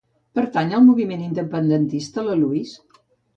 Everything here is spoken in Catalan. Pertany al moviment independentista la Louise?